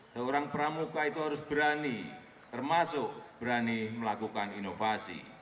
seorang pramuka itu harus berani termasuk berani melakukan inovasi